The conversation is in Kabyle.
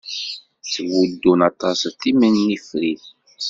Ttbuddun aṭas timennifrit.